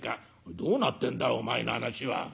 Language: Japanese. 「どうなってんだお前の話は。